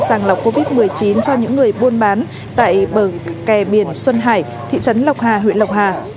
sàng lọc covid một mươi chín cho những người buôn bán tại bờ kè biển xuân hải thị trấn lộc hà huyện lộc hà